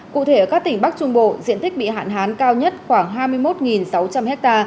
cụ thể ở các tỉnh bắc trung bộ diện tích bị hạn hán cao nhất khoảng hai mươi một sáu trăm linh ha